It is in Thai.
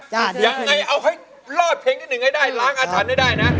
ยังไงเอาให้รอดเพลงที่หนึ่งให้ได้ล้างอาถรรพ์ให้ได้นะ